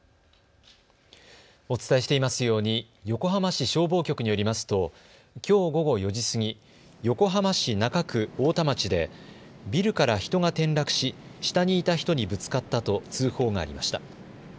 お伝えしていますように横浜市消防局によりますときょう午後４時過ぎ、横浜市中区太田町でビルから人が転落し下にいた人にぶつかったと通報がありました。